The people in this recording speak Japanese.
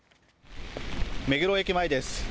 目黒駅前です。